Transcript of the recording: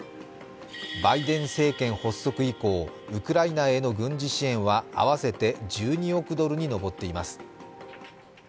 バイデン政権発足以降、ウクライナへの軍事支援は合わせて１２億ドルに上っています。